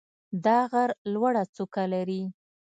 دا غر لوړه څوکه لري.